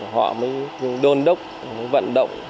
họ mới đôn đốc mới vận động